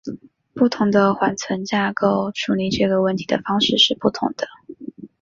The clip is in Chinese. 不同的缓存架构处理这个问题的方式是不同的。